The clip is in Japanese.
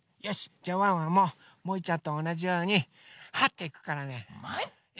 じゃあワンワンももいちゃんとおなじようにはっていくからね。もい！